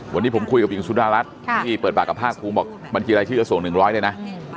วันนี้ผมคุยกับหญิงสุดารัฐที่เปิดปากกับภาคภูมิบอกบัญชีรายชื่อกระทรวง๑๐๐เลยนะ